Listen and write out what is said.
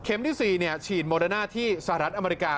ที่๔ฉีดโมเดอร์น่าที่สหรัฐอเมริกา